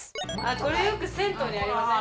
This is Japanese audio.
これよく銭湯にありません？